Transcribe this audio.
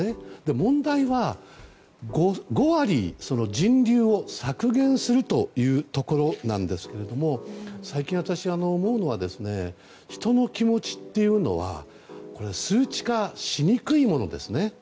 問題は、人流を５割削減するというところなんですが最近私が思うのは人の気持ちというのは数値化しにくいものですよね。